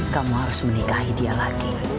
kamu harus menikahi dia lagi